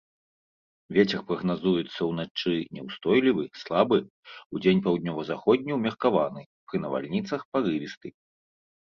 Вецер прагназуецца ўначы няўстойлівы слабы, удзень паўднёва-заходні ўмеркаваны, пры навальніцах парывісты.